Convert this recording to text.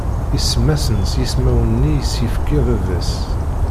Isemma-asen s yismawen-nni i sen-ifka baba-s.